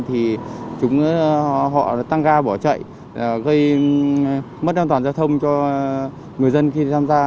thì họ tăng ga bỏ chạy gây mất an toàn giao thông cho người dân khi tham gia giao thông trên địa bàn